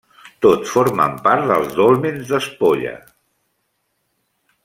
Tots formen part dels dòlmens d'Espolla.